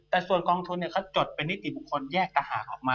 แต่ส่วนกองทุนเขาจดเป็นนิติบุคคลแยกต่างหากออกมา